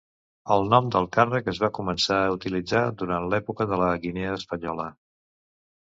El nom del càrrec es va començar a utilitzar durant l'època de la Guinea Espanyola.